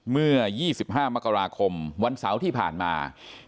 เมื่อ๒๕มกราคมวันเสาร์ที่ผ่านมา